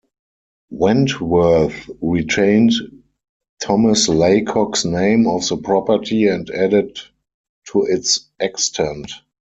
Wentworth retained Thomas Laycock's name of the property and added to its extent.